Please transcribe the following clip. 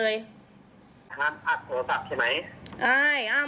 ห้ามอัดโทรศัพท์ใช่ไหม